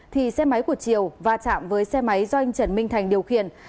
thì xe máy của triều va chạm với xe máy do anh trần minh thành điều khiển